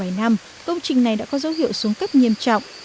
sau một vài năm công trình này đã có dấu hiệu xuống cấp nghiêm trọng